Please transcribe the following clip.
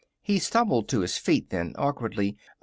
He stumbled to his feet, then, awkwardly.